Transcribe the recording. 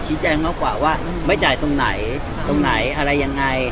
แจ้งมากกว่าว่าไม่จ่ายตรงไหนตรงไหนอะไรยังไง